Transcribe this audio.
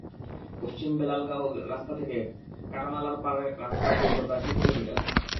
পশ্চিম বেলাগাঁওয়ের রাস্তা থেকে কাটানালার পাড় রাস্তার দৈর্ঘ্য প্রায় তিন কিলোমিটার।